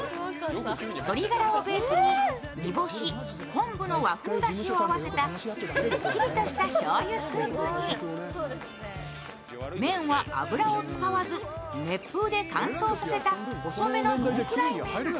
鶏ガラをベースに煮干し、昆布の和風だしを合わせたすっきりとしたしょうゆスープに、麺は油を使わず、熱風で乾燥させた細めのノンフライ麺。